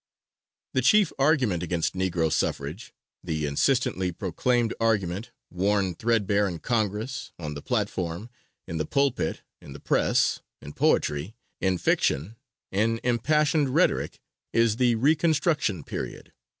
The chief argument against Negro suffrage, the insistently proclaimed argument, worn threadbare in Congress, on the platform, in the pulpit, in the press, in poetry, in fiction, in impassioned rhetoric, is the reconstruction period.